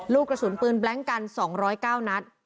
ลูกกระสุนปืนแบล็งกัน๒๐๙นัด